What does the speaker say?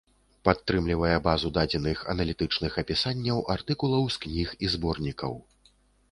Падтрымлівае базу дадзеных аналітычных апісанняў артыкулаў з кніг і зборнікаў.